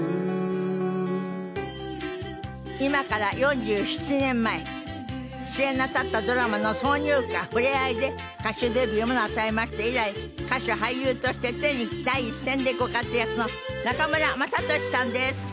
今から４７年前主演なさったドラマの挿入歌『ふれあい』で歌手デビューもなさいまして以来歌手俳優として常に第一線でご活躍の中村雅俊さんです。